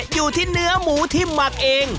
อยู่ที่เนื้อหมูที่หมักเอง